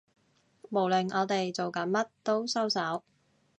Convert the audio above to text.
無論我哋做緊乜都收手